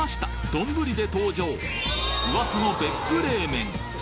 丼で登場噂の別府冷麺